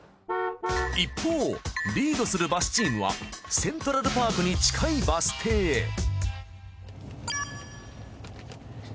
一方リードするバスチームはセントラルパークに近いバス停へ。